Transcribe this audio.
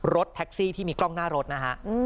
รถแท็กซี่ที่มีกล้องหน้ารถนะฮะ